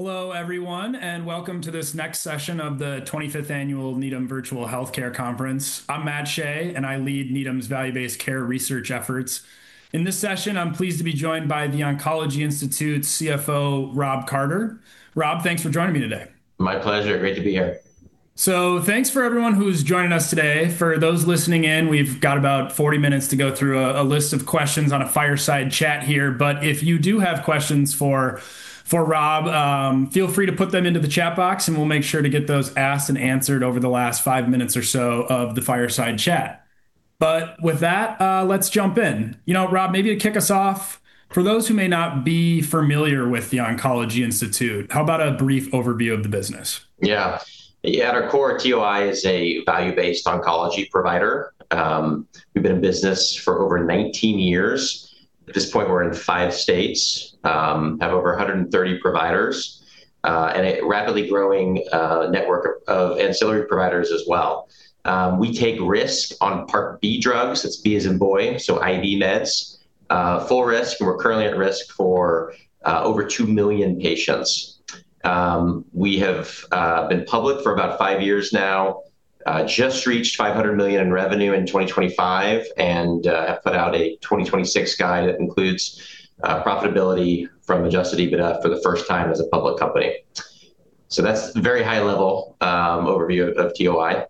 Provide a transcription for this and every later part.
Hello everyone, and welcome to this next session of the 25th Annual Needham Virtual Healthcare Conference. I'm Matt Shea, and I lead Needham's value-based care research efforts. In this session, I'm pleased to be joined by The Oncology Institute CFO, Rob Carter. Rob, thanks for joining me today. My pleasure. Great to be here. Thanks for everyone who's joining us today. For those listening in, we've got about 40 minutes to go through a list of questions on a fireside chat here, but if you do have questions for Rob, feel free to put them into the chat box and we'll make sure to get those asked and answered over the last 5 minutes or so of the fireside chat. With that, let's jump in. Rob, maybe to kick us off, for those who may not be familiar with The Oncology Institute, how about a brief overview of the business? Yeah. At our core, TOI is a value-based oncology provider. We've been in business for over 19 years. At this point, we're in five states, have over 130 providers, and a rapidly growing network of ancillary providers as well. We take risk on Part B drugs. That's B as in boy, so IV meds, full risk, and we're currently at risk for over two million patients. We have been public for about five years now. Just reached $500 million in revenue in 2025, and have put out a 2026 guide that includes profitability from Adjusted EBITDA for the first time as a public company. That's a very high-level overview of TOI.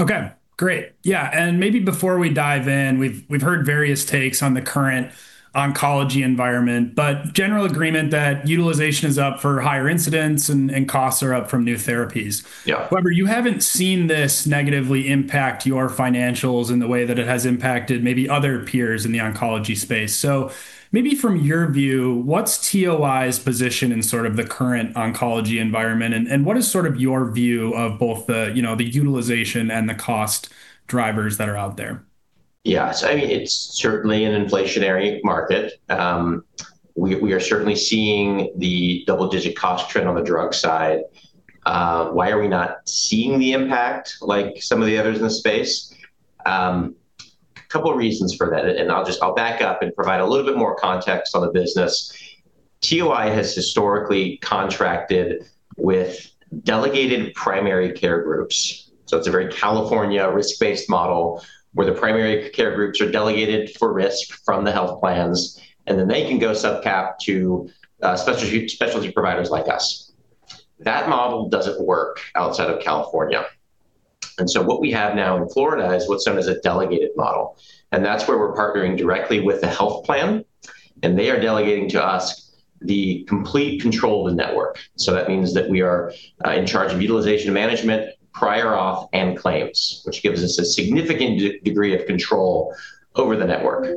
Okay, great. Yeah, maybe before we dive in, we've heard various takes on the current oncology environment, but general agreement that utilization is up for higher incidence and costs are up from new therapies. Yeah. However, you haven't seen this negatively impact your financials in the way that it has impacted maybe other peers in the oncology space. Maybe from your view, what's TOI's position in sort of the current oncology environment and what is sort of your view of both the utilization and the cost drivers that are out there? Yeah. I mean, it's certainly an inflationary market. We are certainly seeing the double-digit cost trend on the drug side. Why are we not seeing the impact like some of the others in the space? Couple reasons for that, and I'll back up and provide a little bit more context on the business. TOI has historically contracted with delegated primary care groups, so it's a very California risk-based model where the primary care groups are delegated for risk from the health plans, and then they can go subcap to specialty providers like us. That model doesn't work outside of California. What we have now in Florida is what's known as a delegated model, and that's where we're partnering directly with the health plan, and they are delegating to us the complete control of the network. That means that we are in charge of utilization management, prior auth, and claims, which gives us a significant degree of control over the network.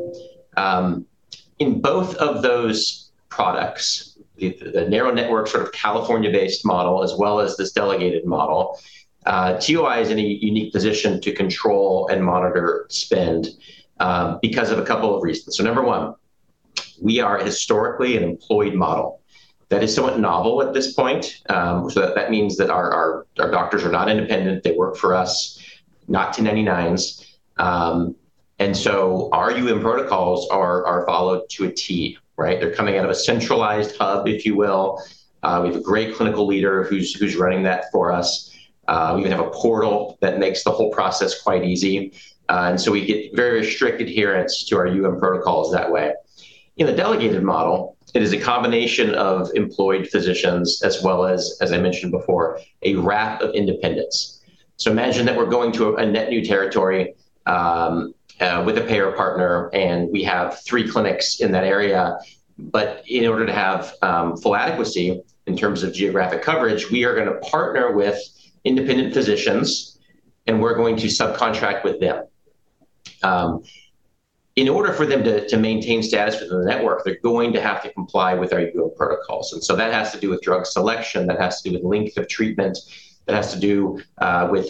In both of those products, the narrow network, sort of California-based model, as well as this delegated model, TOI is in a unique position to control and monitor spend because of a couple of reasons. Number 1, we are historically an employed model. That is somewhat novel at this point. That means that our doctors are not independent. They work for us, not 1099s. Our UM protocols are followed to a T, right? They're coming out of a centralized hub, if you will. We have a great clinical leader who's running that for us. We even have a portal that makes the whole process quite easy. We get very strict adherence to our UM protocols that way. In the delegated model, it is a combination of employed physicians as well as I mentioned before, a wrap of independents. Imagine that we're going to a net new territory with a payer partner, and we have three clinics in that area. In order to have full adequacy in terms of geographic coverage, we are going to partner with independent physicians, and we're going to subcontract with them. In order for them to maintain status within the network, they're going to have to comply with our UM protocols, and so that has to do with drug selection, that has to do with length of treatment, that has to do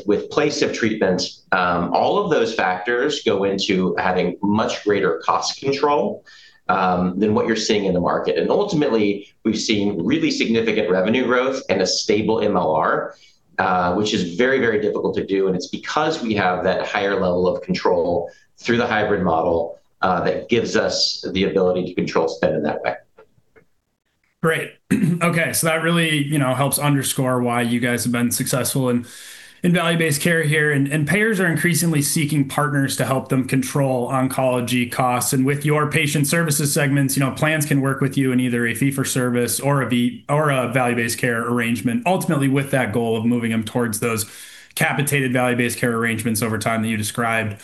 with place of treatment. All of those factors go into having much greater cost control than what you're seeing in the market. Ultimately, we've seen really significant revenue growth and a stable MLR, which is very, very difficult to do, and it's because we have that higher level of control through the hybrid model that gives us the ability to control spend in that way. Great. Okay, so that really helps underscore why you guys have been successful in value-based care here. Payers are increasingly seeking partners to help them control oncology costs. With your patient services segments, plans can work with you in either a fee-for-service or a value-based care arrangement, ultimately with that goal of moving them towards those capitated value-based care arrangements over time that you described.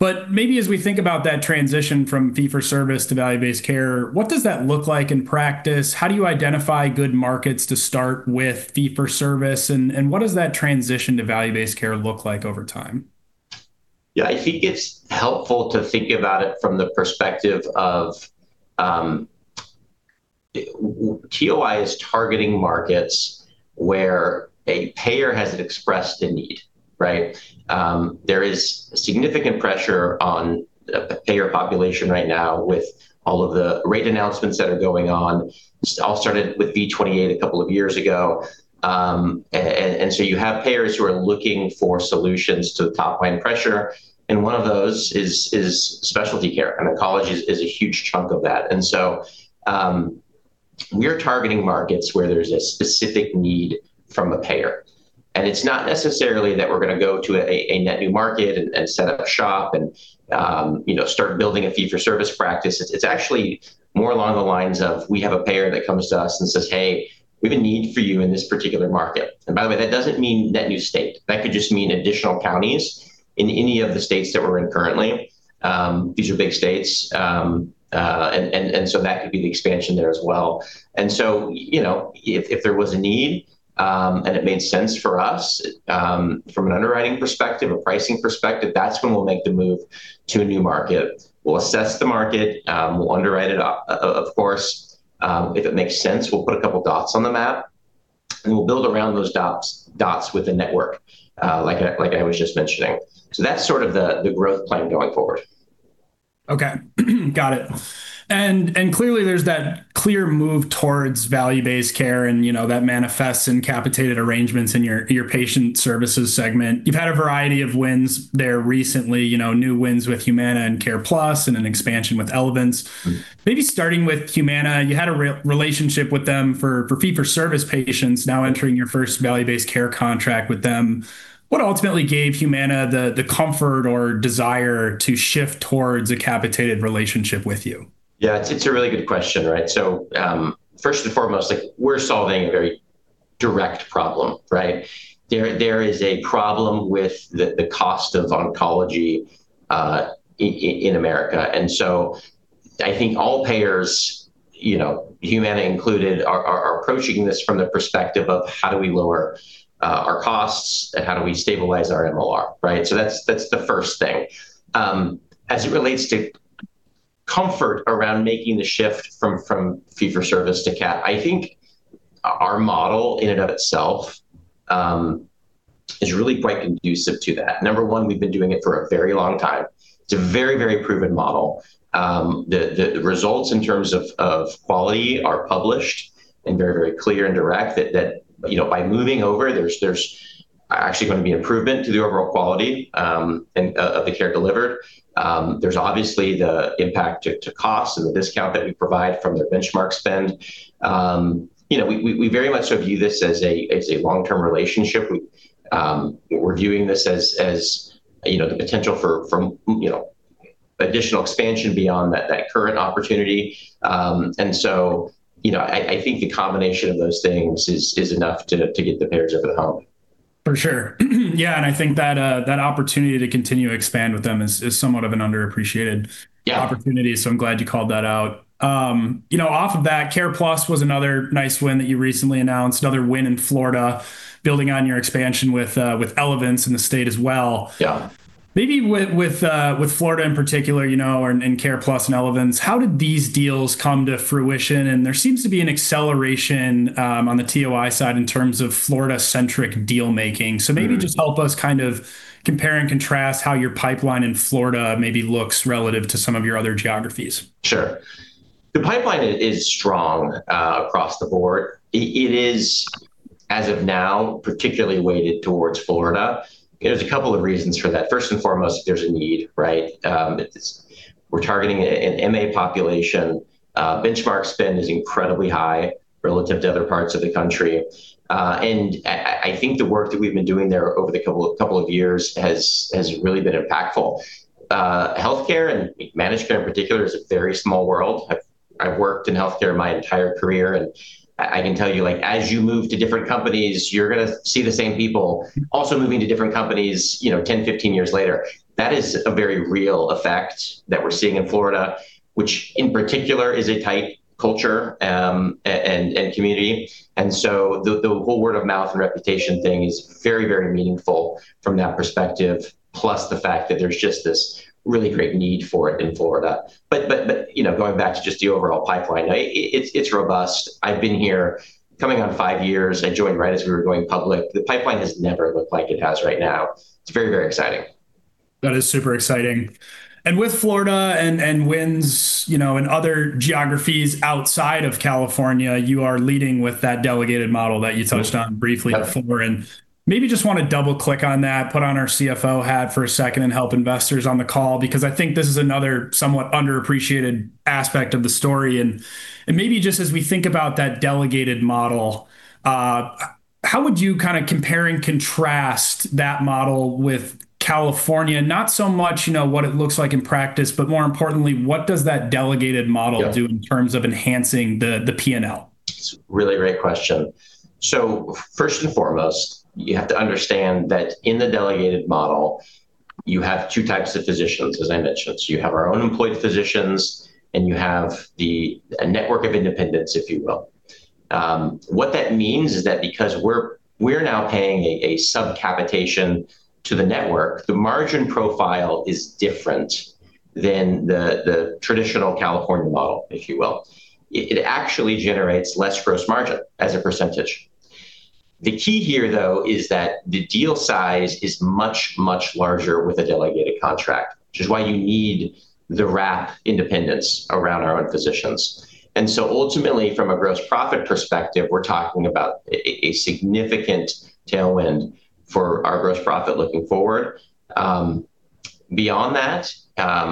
Maybe as we think about that transition from fee-for-service to value-based care, what does that look like in practice? How do you identify good markets to start with fee-for-service, and what does that transition to value-based care look like over time? Yeah, I think it's helpful to think about it from the perspective of TOI is targeting markets where a payer has expressed a need, right? There is significant pressure on the payer population right now with all of the rate announcements that are going on. This all started with V28 a couple of years ago. You have payers who are looking for solutions to top-line pressure, and one of those is specialty care, and oncology is a huge chunk of that. We're targeting markets where there's a specific need from a payer. It's not necessarily that we're going to go to a net new market and set up a shop and start building a fee for service practice. It's actually more along the lines of we have a payer that comes to us and says, "Hey, we have a need for you in this particular market." By the way, that doesn't mean net new state. That could just mean additional counties in any of the states that we're in currently. These are big states, and so that could be the expansion there as well. If there was a need, and it made sense for us from an underwriting perspective, a pricing perspective, that's when we'll make the move to a new market. We'll assess the market. We'll underwrite it, of course. If it makes sense, we'll put a couple of dots on the map, and we'll build around those dots with a network, like I was just mentioning. That's sort of the growth plan going forward. Okay. Got it. Clearly, there's that clear move towards value-based care and that manifests in capitated arrangements in your patient services segment. You've had a variety of wins there recently, new wins with Humana and CarePlus and an expansion with Elevance. Mm-hmm. Maybe starting with Humana, you had a relationship with them for fee-for-service patients now entering your first value-based care contract with them. What ultimately gave Humana the comfort or desire to shift towards a capitated relationship with you? Yeah, it's a really good question, right? First and foremost, we're solving a very direct problem, right? There is a problem with the cost of oncology in America. I think all payers, Humana included, are approaching this from the perspective of how do we lower our costs and how do we stabilize our MLR, right? That's the first thing. As it relates to comfort around making the shift from fee-for-service to cap, I think our model in and of itself is really quite conducive to that. Number one, we've been doing it for a very long time. It's a very, very proven model. The results in terms of quality are published and very, very clear and direct that by moving over, there's actually going to be improvement to the overall quality of the care delivered. There's obviously the impact to cost and the discount that we provide from their benchmark spend. We very much view this as a long-term relationship. We're viewing this as the potential for additional expansion beyond that current opportunity. I think the combination of those things is enough to get the payers over the hump. For sure. Yeah, I think that opportunity to continue to expand with them is somewhat of an underappreciated. Yeah... opportunity, so I'm glad you called that out. Off of that, CarePlus was another nice win that you recently announced, another win in Florida, building on your expansion with Elevance in the state as well. Yeah. Maybe with Florida in particular, and CarePlus and Elevance, how did these deals come to fruition? There seems to be an acceleration on the TOI side in terms of Florida-centric deal making. Mm-hmm. Maybe just help us kind of compare and contrast how your pipeline in Florida maybe looks relative to some of your other geographies. Sure. The pipeline is strong across the board. It is, as of now, particularly weighted towards Florida. There's a couple of reasons for that. First and foremost, there's a need, right? We're targeting an MA population. Benchmark spend is incredibly high relative to other parts of the country. I think the work that we've been doing there over the couple of years has really been impactful. Healthcare, and managed care in particular, is a very small world. I've worked in healthcare my entire career, and I can tell you, as you move to different companies, you're going to see the same people also moving to different companies 10, 15 years later. That is a very real effect that we're seeing in Florida, which in particular is a tight culture and community. The whole word of mouth and reputation thing is very, very meaningful from that perspective, plus the fact that there's just this really great need for it in Florida. Going back to just the overall pipeline, it's robust. I've been here coming on five years. I joined right as we were going public. The pipeline has never looked like it has right now. It's very, very exciting. That is super exciting. With Florida and wins in other geographies outside of California, you are leading with that delegated model that you touched on briefly before. Yeah. Maybe just want to double click on that, put on our CFO hat for a second and help investors on the call, because I think this is another somewhat underappreciated aspect of the story. Maybe just as we think about that delegated model, how would you kind of compare and contrast that model with California? Not so much what it looks like in practice, but more importantly, what does that delegated model Yeah... do in terms of enhancing the P&L? It's a really great question. First and foremost, you have to understand that in the delegated model, you have two types of physicians, as I mentioned. You have our own employed physicians, and you have a network of independents, if you will. What that means is that because we're now paying a sub-capitation to the network, the margin profile is different than the traditional California model, if you will. It actually generates less gross margin as a percentage. The key here, though, is that the deal size is much, much larger with a delegated contract, which is why you need the wrap independence around our own physicians. Ultimately, from a gross profit perspective, we're talking about a significant tailwind for our gross profit looking forward. Beyond that,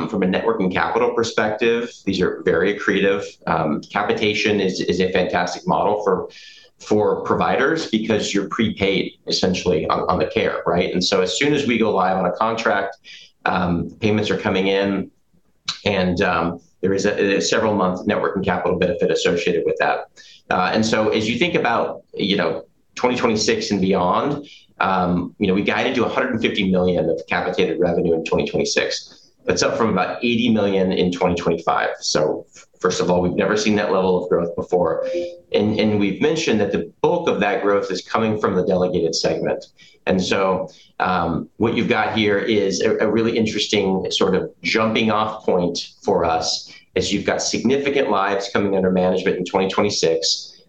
from a net working capital perspective, these are very accretive. Capitation is a fantastic model for providers because you're prepaid, essentially, on the care. As soon as we go live on a contract, payments are coming in, and there is a several-month network and capital benefit associated with that. As you think about 2026 and beyond, we guided to $150 million of capitated revenue in 2026. That's up from about $80 million in 2025. First of all, we've never seen that level of growth before. We've mentioned that the bulk of that growth is coming from the delegated segment. What you've got here is a really interesting sort of jumping-off point for us, as you've got significant lives coming under management in 2026.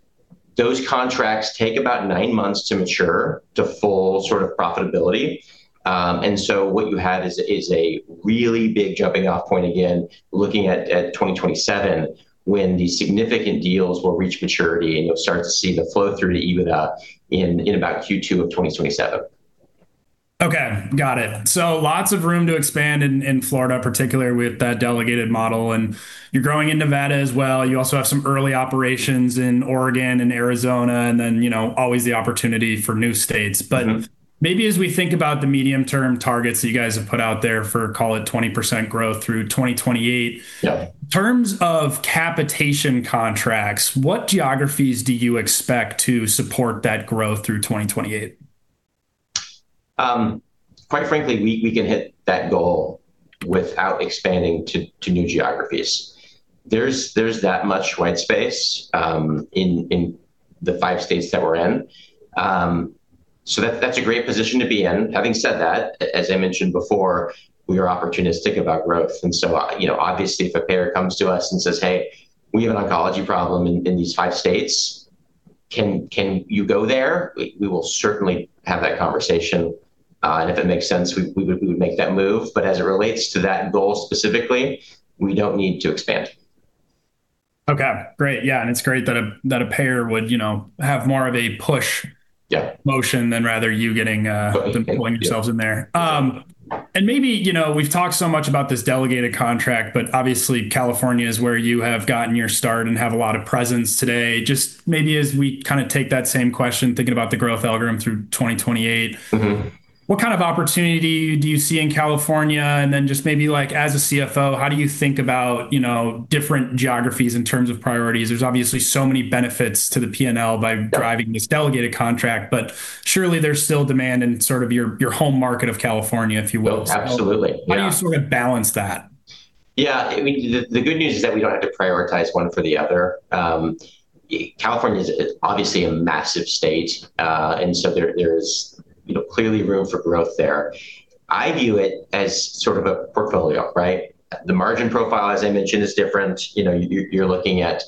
Those contracts take about nine months to mature to full sort of profitability. What you have is a really big jumping-off point, again, looking at 2027, when the significant deals will reach maturity, and you'll start to see the flow-through to EBITDA in about Q2 of 2027. Okay. Got it. Lots of room to expand in Florida, particularly with that delegated model. You're growing in Nevada as well. You also have some early operations in Oregon and Arizona, and then always the opportunity for new states. Mm-hmm. Maybe as we think about the medium-term targets that you guys have put out there for, call it, 20% growth through 2028. Yeah In terms of capitation contracts, what geographies do you expect to support that growth through 2028? Quite frankly, we can hit that goal without expanding to new geographies. There's that much white space in the five states that we're in. That's a great position to be in. Having said that, as I mentioned before, we are opportunistic about growth. Obviously if a payer comes to us and says, "Hey, we have an oncology problem in these five states. Can you go there?" We will certainly have that conversation, and if it makes sense, we would make that move. As it relates to that goal specifically, we don't need to expand. Okay, great. Yeah. It's great that a payer would have more of a push. Yeah Maybe we've talked so much about this delegated contract, but obviously California is where you have gotten your start and have a lot of presence today. Just maybe as we take that same question, thinking about the growth algorithm through 2028- Mm-hmm What kind of opportunity do you see in California? Just maybe as a CFO, how do you think about different geographies in terms of priorities? There's obviously so many benefits to the P&L by driving this delegated contract. Surely there's still demand in sort of your home market of California, if you will. Oh, absolutely. Yeah. How do you sort of balance that? Yeah. The good news is that we don't have to prioritize one for the other. California is obviously a massive state, and so there's clearly room for growth there. I view it as sort of a portfolio, right? The margin profile, as I mentioned, is different. You're looking at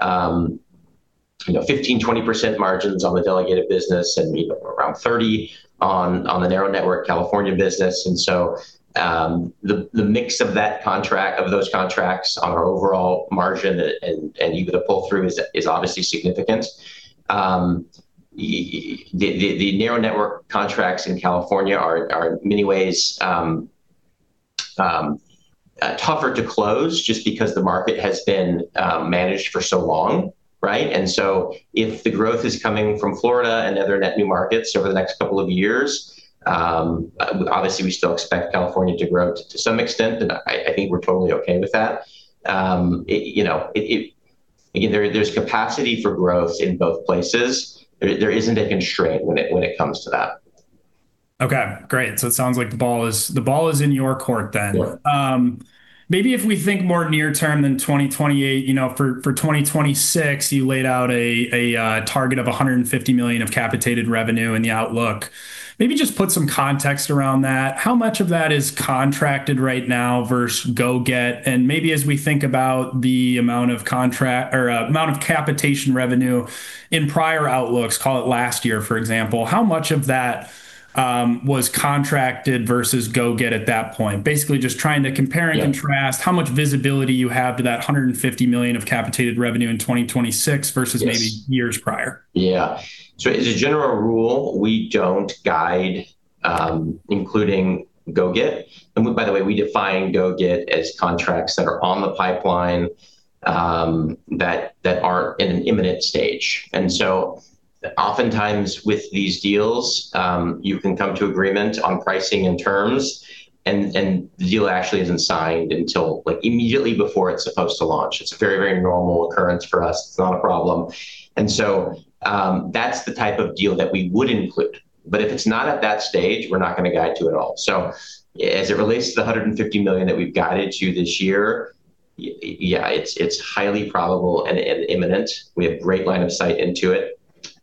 15%-20% margins on the delegated business, and maybe around 30% on the narrow network California business. The mix of those contracts on our overall margin and EBITDA pull-through is obviously significant. The narrow network contracts in California are, in many ways, tougher to close just because the market has been managed for so long. If the growth is coming from Florida and other net new markets over the next couple of years, obviously we still expect California to grow to some extent, and I think we're totally okay with that. There's capacity for growth in both places. There isn't a constraint when it comes to that. Okay, great. It sounds like the ball is in your court then. Yeah. Maybe if we think more near term than 2028, for 2026, you laid out a target of $150 million of capitated revenue in the outlook. Maybe just put some context around that. How much of that is contracted right now versus go-get? Maybe as we think about the amount of capitation revenue in prior outlooks, call it last year, for example, how much of that was contracted versus go-get at that point? Basically just trying to compare and contrast how much visibility you have to that $150 million of capitated revenue in 2026 versus maybe years prior. Yeah. As a general rule, we don't guide, including go-get. By the way, we define go-get as contracts that are on the pipeline, that aren't in an imminent stage. Oftentimes with these deals, you can come to agreement on pricing and terms and the deal actually isn't signed until immediately before it's supposed to launch. It's a very normal occurrence for us. It's not a problem. That's the type of deal that we would include. If it's not at that stage, we're not going to guide to at all. As it relates to the $150 million that we've guided to this year, yeah, it's highly probable and imminent. We have great line of sight into it.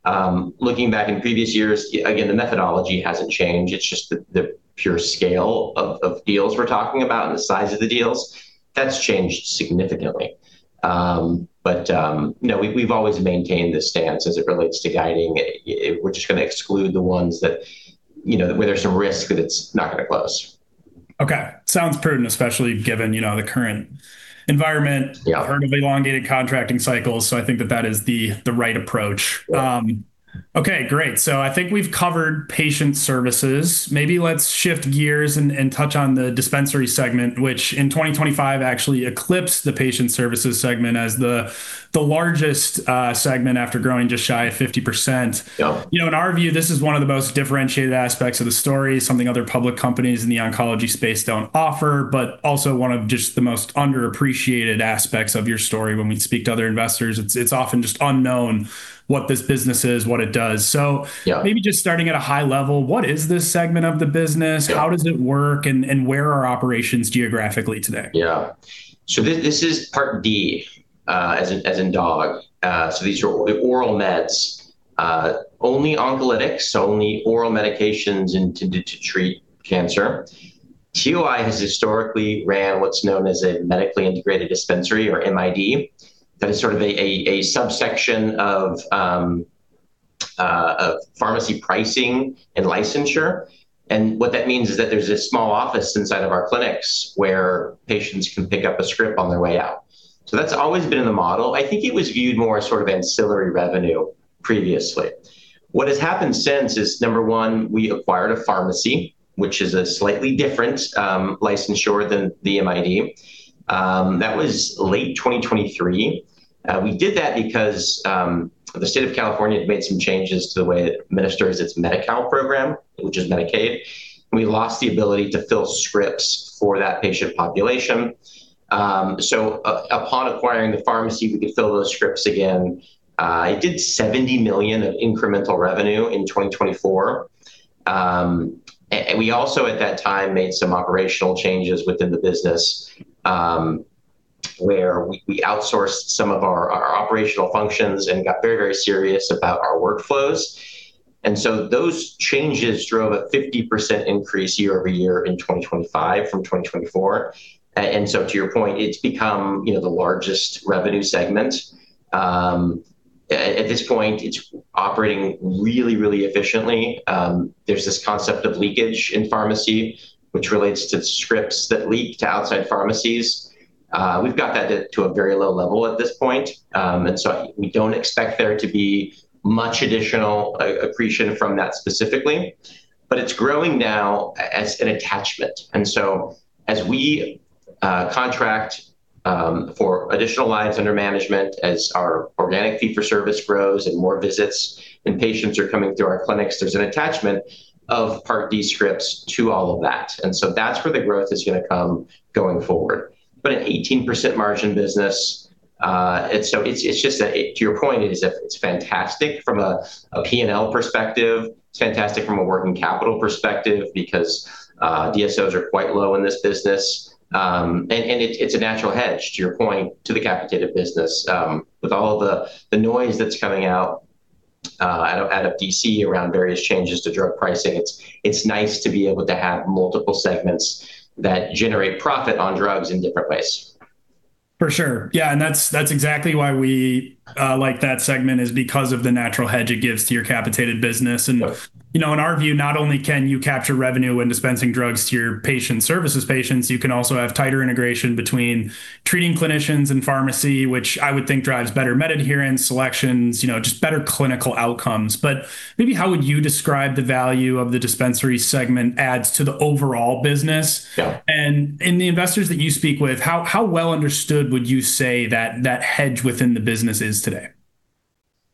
Looking back in previous years, again, the methodology hasn't changed. It's just the pure scale of deals we're talking about and the size of the deals, that's changed significantly. We've always maintained the stance as it relates to guiding. We're just going to exclude the ones where there's some risk that it's not going to close. Okay. Sounds prudent, especially given the current environment. Yeah Heard of elongated contracting cycles, so I think that is the right approach. Yeah. Okay, great. I think we've covered patient services. Maybe let's shift gears and touch on the dispensary segment, which in 2025 actually eclipsed the patient services segment as the largest segment after growing just shy of 50%. Yeah. In our view, this is one of the most differentiated aspects of the story, something other public companies in the oncology space don't offer, but also one of just the most underappreciated aspects of your story. When we speak to other investors, it's often just unknown what this business is, what it does. Yeah Maybe just starting at a high level, what is this segment of the business? Yeah. How does it work, and where are operations geographically today? Yeah. This is Part D, as in dog. These are the oral meds, only oncolytics, so only oral medications intended to treat cancer. TOI has historically ran what's known as a medically integrated dispensary, or MID. That is sort of a subsection of pharmacy pricing and licensure. What that means is that there's a small office inside of our clinics where patients can pick up a script on their way out. That's always been in the model. I think it was viewed more as sort of ancillary revenue previously. What has happened since is, number one, we acquired a pharmacy, which is a slightly different licensure than the MID. That was late 2023. We did that because the state of California had made some changes to the way it administers its Medi-Cal program, which is Medicaid. We lost the ability to fill scripts for that patient population. Upon acquiring the pharmacy, we could fill those scripts again. It did $70 million of incremental revenue in 2024. We also at that time made some operational changes within the business, where we outsourced some of our operational functions and got very, very serious about our workflows. Those changes drove a 50% increase year-over-year in 2025 from 2024. To your point, it's become the largest revenue segment. At this point, it's operating really, really efficiently. There's this concept of leakage in pharmacy, which relates to scripts that leak to outside pharmacies. We've got that to a very low level at this point, and so we don't expect there to be much additional accretion from that specifically. It's growing now as an attachment. As we contract for additional lives under management, as our organic fee-for-service grows and more visits and patients are coming through our clinics, there's an attachment of Part D scripts to all of that. That's where the growth is going to come going forward. An 18% margin business. To your point, it's fantastic from a P&L perspective. It's fantastic from a working capital perspective because DSOs are quite low in this business. It's a natural hedge, to your point, to the capitated business. With all the noise that's coming out of D.C. around various changes to drug pricing, it's nice to be able to have multiple segments that generate profit on drugs in different ways. For sure. Yeah, that's exactly why we like that segment, is because of the natural hedge it gives to your capitated business. Yes. In our view, not only can you capture revenue when dispensing drugs to your patient services patients, you can also have tighter integration between treating clinicians and pharmacy, which I would think drives better med adherence, selections, just better clinical outcomes. Maybe how would you describe the value of the dispensary segment adds to the overall business? Yeah. In the investors that you speak with, how well understood would you say that hedge within the business is today?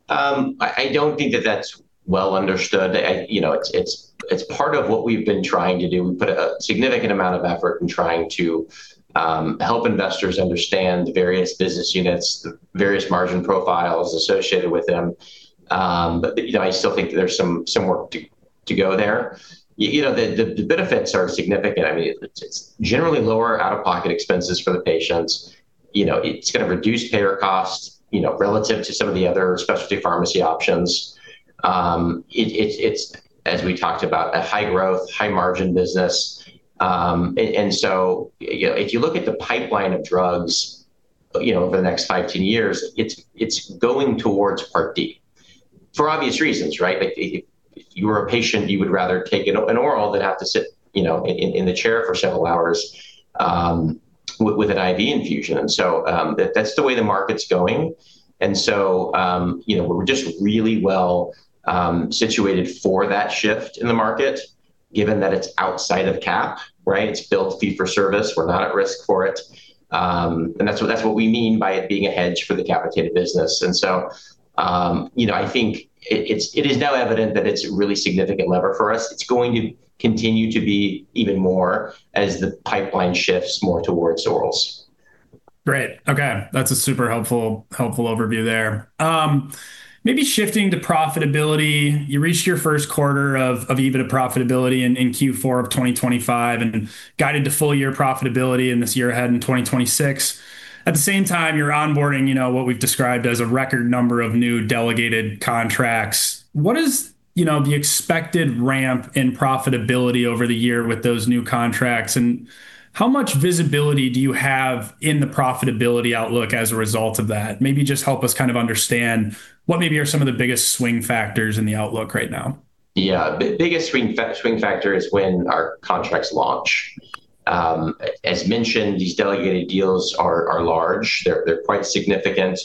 I don't think that that's well understood. It's part of what we've been trying to do. We put a significant amount of effort in trying to help investors understand the various business units, the various margin profiles associated with them. I still think there's some work to go there. The benefits are significant. It's generally lower out-of-pocket expenses for the patients. It's going to reduce payer costs, relative to some of the other specialty pharmacy options. It's, as we talked about, a high growth, high margin business. If you look at the pipeline of drugs over the next five, 10 years, it's going towards Part D for obvious reasons, right? If you were a patient, you would rather take an oral than have to sit in the chair for several hours with an IV infusion. That's the way the market's going. We're just really well situated for that shift in the market, given that it's outside of cap, right? It's billed fee-for-service. We're not at risk for it. That's what we mean by it being a hedge for the capitated business. I think it is now evident that it's a really significant lever for us. It's going to continue to be even more as the pipeline shifts more towards orals. Great. Okay. That's a super helpful overview there. Maybe shifting to profitability. You reached your first quarter of EBITDA profitability in Q4 of 2025 and guided to full year profitability in this year ahead in 2026. At the same time, you're onboarding what we've described as a record number of new delegated contracts. What is the expected ramp in profitability over the year with those new contracts and how much visibility do you have in the profitability outlook as a result of that? Maybe just help us understand what maybe are some of the biggest swing factors in the outlook right now. Yeah. Biggest swing factor is when our contracts launch. As mentioned, these delegated deals are large. They're quite significant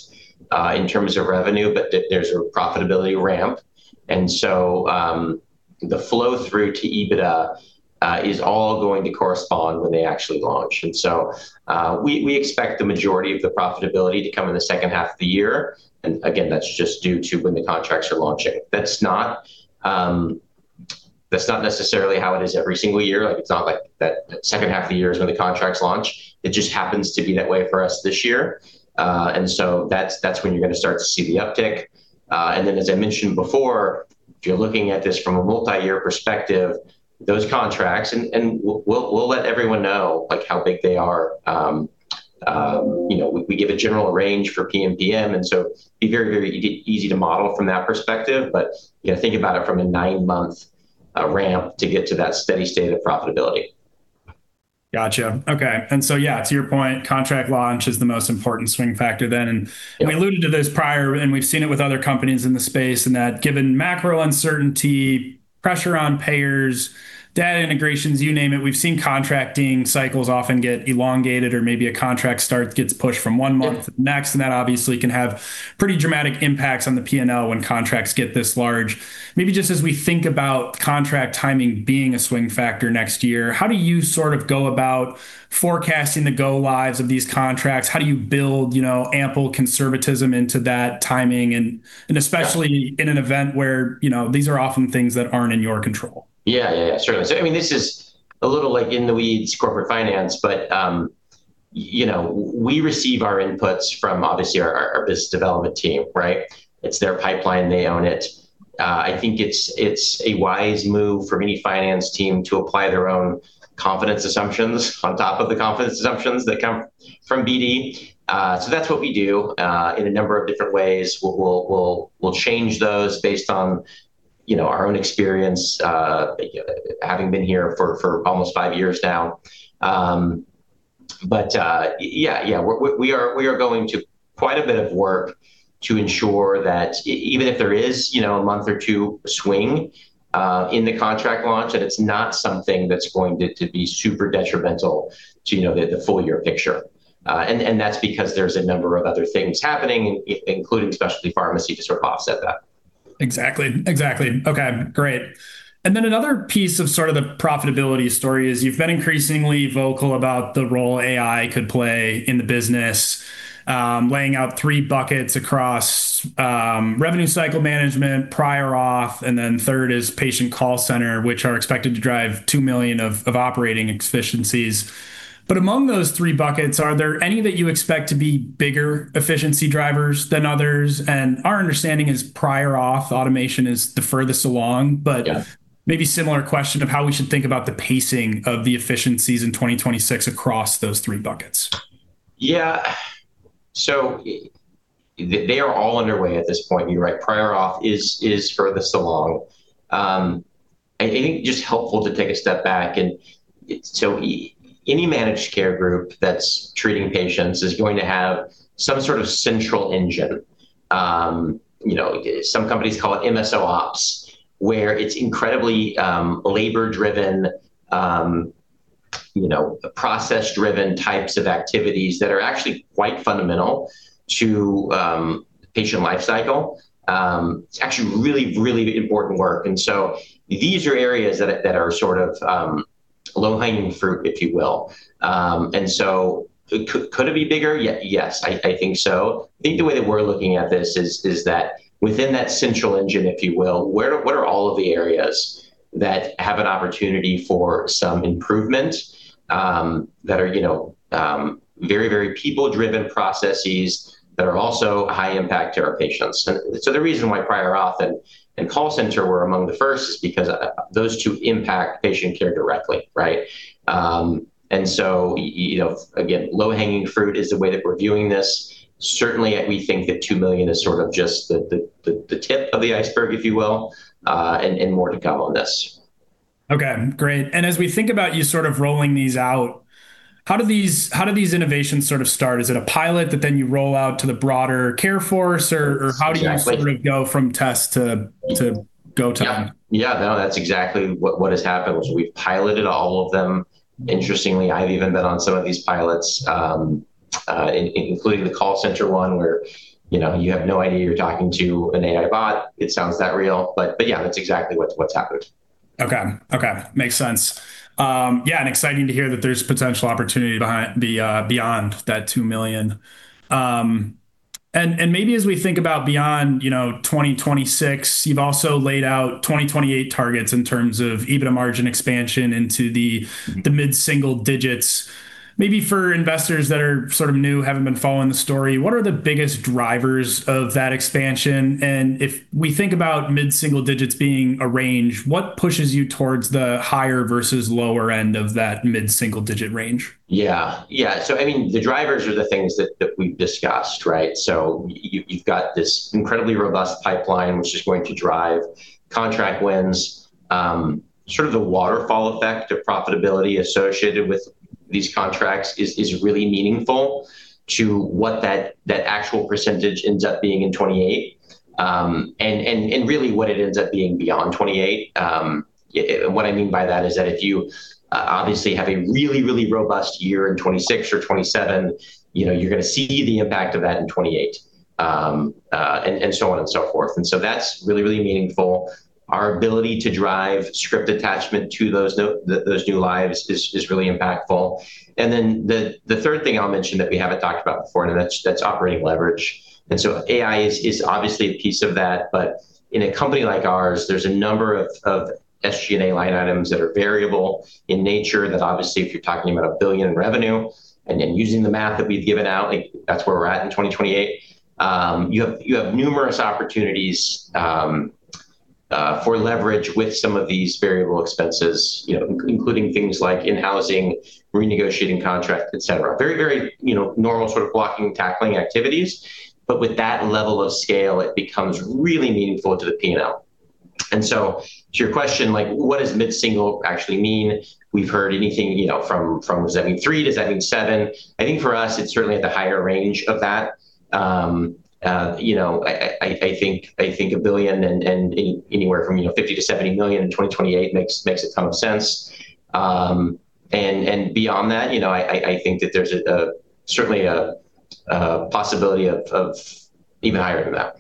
in terms of revenue, but there's a profitability ramp. The flow-through to EBITDA is all going to correspond when they actually launch. We expect the majority of the profitability to come in the second half of the year. Again, that's just due to when the contracts are launching. That's not necessarily how it is every single year. It's not like that second half of the year is when the contracts launch. It just happens to be that way for us this year. That's when you're going to start to see the uptick. As I mentioned before, if you're looking at this from a multi-year perspective, those contracts, and we'll let everyone know how big they are. We give a general range for PMPM, and so it'd be very, very easy to model from that perspective. You got to think about it from a 9-month ramp to get to that steady state of profitability. Got you. Okay. Yeah, to your point, contract launch is the most important swing factor then. Yeah. We alluded to this prior, and we've seen it with other companies in the space, and that given macro uncertainty, pressure on payers, data integrations, you name it, we've seen contracting cycles often get elongated or maybe a contract start gets pushed from one month to the next. Yeah. That obviously can have pretty dramatic impacts on the P&L when contracts get this large. Maybe just as we think about contract timing being a swing factor next year, how do you go about forecasting the go lives of these contracts? How do you build ample conservatism into that timing and- Yeah Especially in an event where these are often things that aren't in your control. Yeah. Certainly. This is a little in the weeds corporate finance, but we receive our inputs from obviously our business development team, right? It's their pipeline. They own it. I think it's a wise move for any finance team to apply their own confidence assumptions on top of the confidence assumptions that come from BD. That's what we do in a number of different ways. We'll change those based on our own experience, having been here for almost five years now. Yeah. We are going to quite a bit of work to ensure that even if there is a month or two swing in the contract launch, that it's not something that's going to be super detrimental to the full year picture. That's because there's a number of other things happening, including specialty pharmacy to sort of offset that. Exactly. Okay. Great. Then another piece of the profitability story is you've been increasingly vocal about the role AI could play in the business, laying out three buckets across revenue cycle management, prior auth, and then third is patient call center, which are expected to drive $2 million of operating efficiencies. Among those three buckets, are there any that you expect to be bigger efficiency drivers than others? Our understanding is prior auth automation is the furthest along. Yeah. Maybe similar question of how we should think about the pacing of the efficiencies in 2026 across those three buckets. Yeah. They are all underway at this point. You're right. Prior auth is furthest along. I think it's just helpful to take a step back, and any managed care group that's treating patients is going to have some sort of central engine. Some companies call it MSO ops, where it's incredibly labor driven, process driven types of activities that are actually quite fundamental to patient life cycle. It's actually really, really important work, and these are areas that are sort of low-hanging fruit, if you will. Could it be bigger? Yes, I think so. I think the way that we're looking at this is that within that central engine, if you will, what are all of the areas that have an opportunity for some improvement, that are very people driven processes that are also high impact to our patients? The reason why prior auth and call center were among the first is because those two impact patient care directly, right? Again, low-hanging fruit is the way that we're viewing this. Certainly, we think that $2 million is sort of just the tip of the iceberg, if you will, and more to come on this. Okay, great. As we think about you sort of rolling these out, how do these innovations sort of start? Is it a pilot that then you roll out to the broader care force or how do you- Exactly Sort of go from test to go time? Yeah. No, that's exactly what has happened, which we've piloted all of them. Interestingly, I've even been on some of these pilots, including the call center one where you have no idea you're talking to an AI bot. It sounds that real. Yeah, that's exactly what's happened. Okay. Makes sense. Yeah, and exciting to hear that there's potential opportunity beyond that 2 million. Maybe as we think about beyond 2026, you've also laid out 2028 targets in terms of EBITDA margin expansion into the mid-single digits. Maybe for investors that are sort of new, haven't been following the story, what are the biggest drivers of that expansion? If we think about mid-single digits being a range, what pushes you towards the higher versus lower end of that mid-single digit range? Yeah. I mean, the drivers are the things that we've discussed, right? You've got this incredibly robust pipeline, which is going to drive contract wins, sort of the waterfall effect of profitability associated with these contracts is really meaningful to what that actual percentage ends up being in 2028, and really what it ends up being beyond 2028. What I mean by that is that if you obviously have a really, really robust year in 2026 or 2027, you're going to see the impact of that in 2028, and so on and so forth. That's really, really meaningful. Our ability to drive script attachment to those new lives is really impactful. The third thing I'll mention that we haven't talked about before, and that's operating leverage. AI is obviously a piece of that, but in a company like ours, there's a number of SG&A line items that are variable in nature that obviously if you're talking about $1 billion in revenue and then using the math that we've given out, like that's where we're at in 2028, you have numerous opportunities for leverage with some of these variable expenses, including things like in-housing, renegotiating contracts, et cetera. Very normal sort of blocking and tackling activities. With that level of scale, it becomes really meaningful to the P&L. To your question, what does mid-single actually mean? We've heard anything from 3% to 7%. I think for us, it's certainly at the higher range of that. I think $1 billion and anywhere from $50 million-$70 million in 2028 makes a ton of sense. Beyond that, I think that there's certainly a possibility of even higher than that.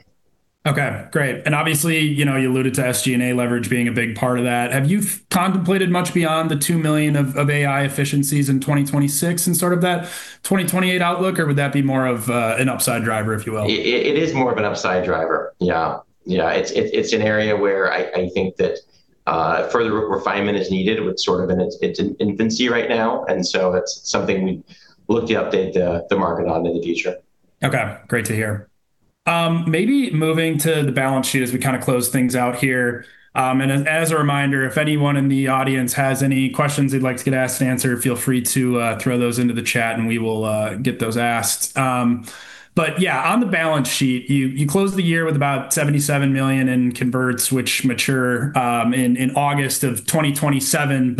Okay, great. Obviously, you alluded to SG&A leverage being a big part of that. Have you contemplated much beyond the $2 million of AI efficiencies in 2026 and sort of that 2028 outlook, or would that be more of an upside driver, if you will? It is more of an upside driver. Yeah. It's an area where I think that further refinement is needed. It's in its infancy right now, and so it's something we look to update the market on in the future. Okay, great to hear. Maybe moving to the balance sheet as we close things out here. As a reminder, if anyone in the audience has any questions they'd like to get asked and answered, feel free to throw those into the chat, and we will get those asked. Yeah, on the balance sheet, you closed the year with about $77 million in converts, which mature in August of 2027.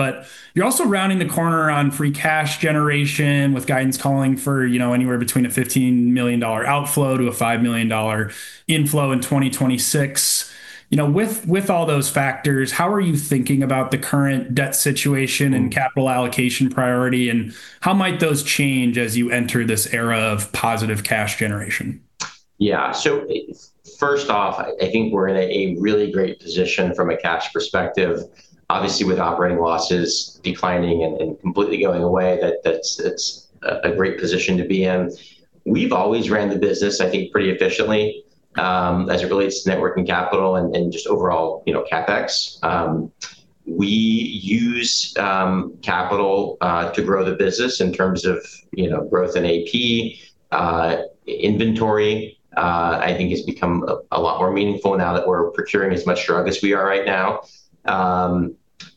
You're also rounding the corner on free cash generation with guidance calling for anywhere between a $15 million outflow to a $5 million inflow in 2026. With all those factors, how are you thinking about the current debt situation and capital allocation priority, and how might those change as you enter this era of positive cash generation? Yeah. First off, I think we're in a really great position from a cash perspective. Obviously, with operating losses declining and completely going away, that's a great position to be in. We've always ran the business, I think, pretty efficiently as it relates to net working capital and just overall, CapEx. We use capital to grow the business in terms of growth in AP. Inventory, I think, has become a lot more meaningful now that we're procuring as much drug as we are right now.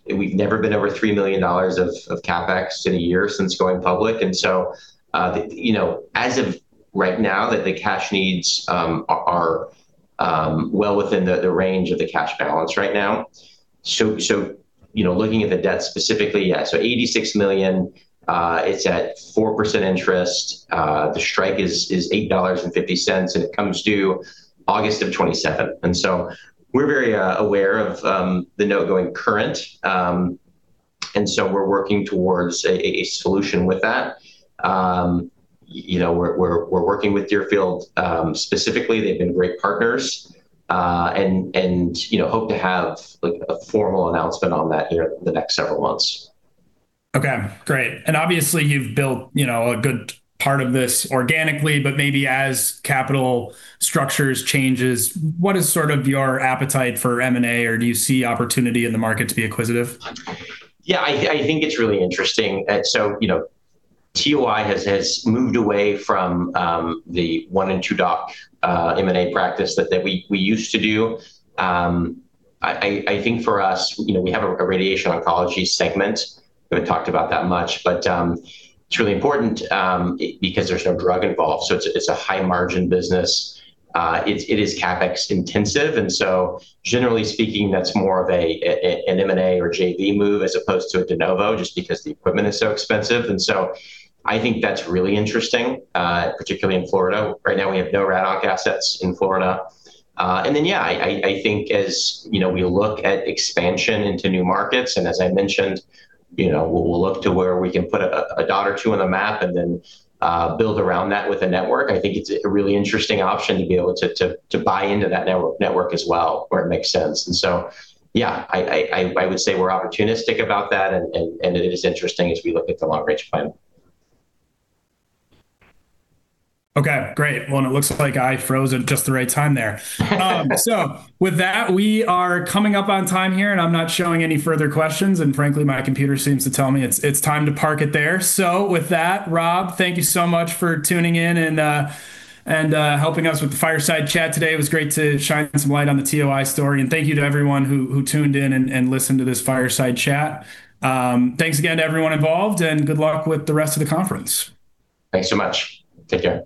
We've never been over $3 million of CapEx in a year since going public, and so, as of right now, the cash needs are well within the range of the cash balance right now. Looking at the debt specifically, so $86 million, it's at 4% interest. The strike is $8.50, and it comes due August 2027. We're very aware of the note going current, and so we're working towards a solution with that. We're working with Deerfield specifically. They've been great partners. We hope to have a formal announcement on that here in the next several months. Okay, great. Obviously, you've built a good part of this organically, but maybe as capital structures changes, what is sort of your appetite for M&A, or do you see opportunity in the market to be acquisitive? Yeah, I think it's really interesting. TOI has moved away from the 1 and 2 doc M&A practice that we used to do. I think for us, we have a radiation oncology segment. We haven't talked about that much, but it's really important because there's no drug involved, so it's a high-margin business. It is CapEx intensive, and so generally speaking, that's more of an M&A or JV move as opposed to a de novo, just because the equipment is so expensive. I think that's really interesting, particularly in Florida. Right now, we have no rad onc assets in Florida. Yeah, I think as we look at expansion into new markets, and as I mentioned, we'll look to where we can put a dot or two on the map and then build around that with a network. I think it's a really interesting option to be able to buy into that network as well, where it makes sense. Yeah, I would say we're opportunistic about that, and it is interesting as we look at the long range plan. Okay, great. Well, and it looks like I froze at just the right time there. With that, we are coming up on time here, and I'm not showing any further questions, and frankly, my computer seems to tell me it's time to park it there. With that, Rob, thank you so much for tuning in and helping us with the fireside chat today. It was great to shine some light on the TOI story, and thank you to everyone who tuned in and listened to this fireside chat. Thanks again to everyone involved, and good luck with the rest of the conference. Thanks so much. Take care.